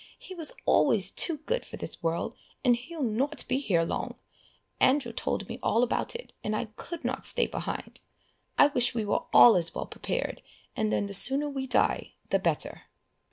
He was always too good for this world, and he'll not be here long Andrew told me all about it, and I could not stay behind. I wish we were all as well prepared, and then the sooner we die the better."